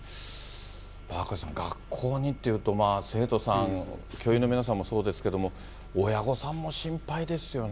赤星さん、学校にというと、生徒さん、教員の皆さんもそうですけども、親御さんも心配ですよね。